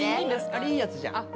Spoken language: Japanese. あれいいやつじゃん。